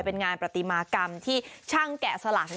เป็นงานปฏิมากรรมที่ช่างแกะสลัก